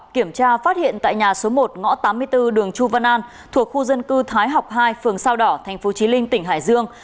kiểm tra phát hiện tại nhà số một ngõ tám mươi bốn đường chu văn an thuộc khu dân cư thái học hai phường sao đỏ tp chí linh tỉnh hải dương